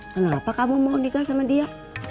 kenapa kamu mau nikah sama dia